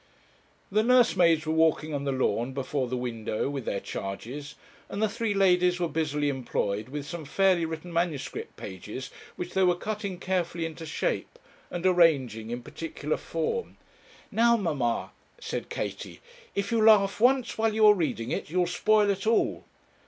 The nursemaids were walking on the lawn before the window with their charges, and the three ladies were busily employed with some fairly written manuscript pages, which they were cutting carefully into shape, and arranging in particular form. 'Now, mamma,' said Katie, 'if you laugh once while you are reading it, you'll spoil it all.'